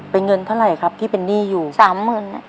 เป็นเงินเท่าไหร่ครับที่เป็นหนี้อยู่สามหมื่น